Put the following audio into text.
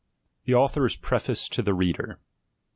THE AUTHOR'S PREFACE TO THE READER.